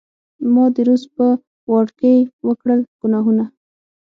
ما د روس په واډکې وکړل ګناهونه